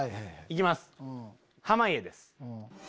行きます濱家です。